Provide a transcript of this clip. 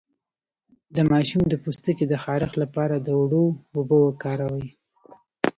د ماشوم د پوستکي د خارښ لپاره د اوړو اوبه وکاروئ